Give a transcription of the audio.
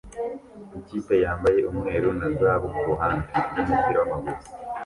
Ikipe yambaye umweru na zahabu kuruhande rwumupira wamaguru